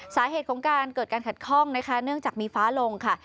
สาเหตุของการเกิดการขัดข้องนะคะเนื่องจากมีฟ้าลงค่ะ